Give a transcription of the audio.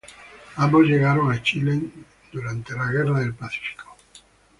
Ambos llegaron a Chile en durante la Guerra del Pacífico.